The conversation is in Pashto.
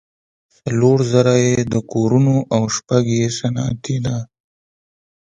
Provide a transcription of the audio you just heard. څلور زره یې د کورونو او شپږ یې صنعتي ده.